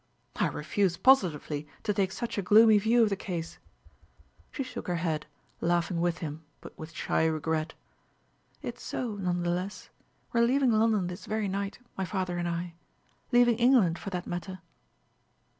"I refuse positively to take such a gloomy view of the case!" She shook her head, laughing with him, but with shy regret. "It's so, none the less. We are leaving London this very night, my father and I leaving England, for that matter."